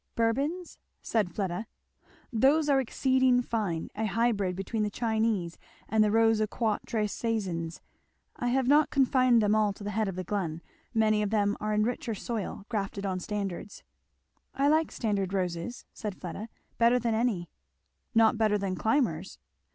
"Bourbons?" said Fleda. "Those are exceeding fine a hybrid between the Chinese and the Rose à quatre saisons I have not confined them all to the head of the glen; many of them are in richer soil, grafted on standards." "I like standard roses," said Fleda, "better than any." "Not better than climbers?"